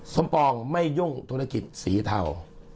ปองไม่ยุ่งธุรกิจสีเทา